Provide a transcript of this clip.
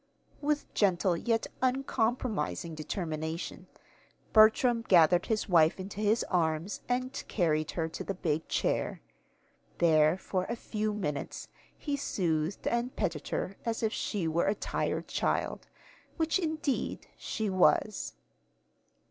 With gentle yet uncompromising determination, Bertram gathered his wife into his arms and carried her to the big chair. There, for a few minutes, he soothed and petted her as if she were a tired child which, indeed, she was.